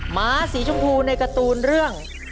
หมาสีชมพูในการ์ตูนเรื่อง